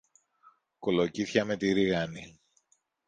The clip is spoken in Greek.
Κολοκύθια με τη ρίγανη!